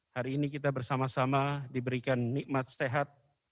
hari ini kita bersama sama diberikan nikmat sehat